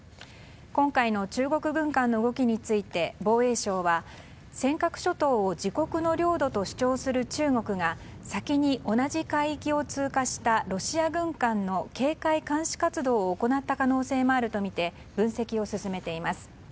今回の中国軍艦の動きについて防衛省は、尖閣諸島を自国の領土と主張する中国が先に同じ海域を通過したロシア軍艦の警戒監視活動を行った可能性もあるとみて分析を進めています。